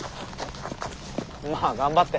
まあ頑張って。